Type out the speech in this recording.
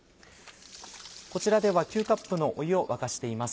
こちらでは９カップの湯を沸かしています。